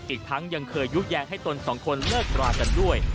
อีกทั้งยังเคยยุบแย้งให้ตนสองคนเลิกรากันด้วย